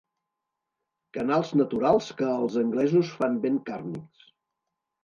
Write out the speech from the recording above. Canals naturals que els anglesos fan ben càrnics.